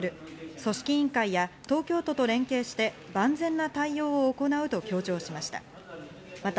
組織委員会や東京都と連携して万全な対応を行うと強調しました。